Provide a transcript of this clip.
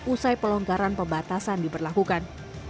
usai pelonggaran pembatasan diberlakukan